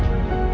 lo mau ngerti